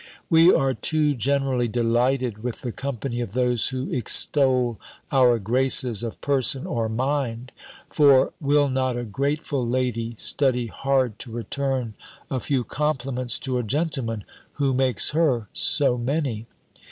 We are too generally delighted with the company of those who extol our graces of person or mind: for, will not a grateful lady study hard to return a_ few_ compliments to a gentleman who makes her so many!